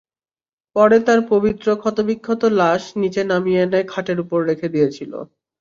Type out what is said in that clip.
পরে তাঁর পবিত্র ক্ষতবিক্ষত লাশ নিচে নামিয়ে এনে খাটের ওপর রেখে দিয়েছিল।